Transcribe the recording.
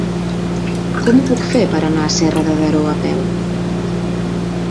Com ho puc fer per anar a Serra de Daró a peu?